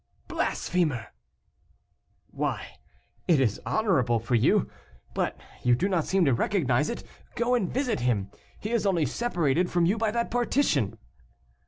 "Blasphemer!" "Why, it is honorable for you; but you do not seem to recognize it. Go and visit him; he is only separated from you by that partition."